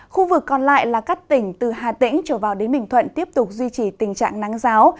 khu vực còn lại là các tỉnh từ hà tĩnh trở vào đến bình thuận tiếp tục duy trì tình trạng nắng giáo